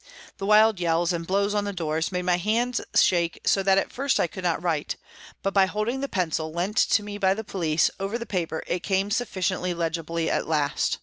The wild yells, and blows on the doors, made my hand shake so that at first I could not write, but by holding the pencil, lent to me by the police, over the paper, it came sufficiently legibly at last.